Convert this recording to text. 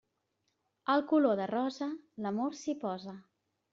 Al color de rosa, l'amor s'hi posa.